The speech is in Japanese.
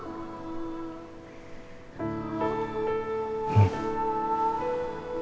うん。